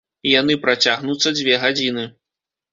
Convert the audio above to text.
Яны працягнуцца дзве гадзіны.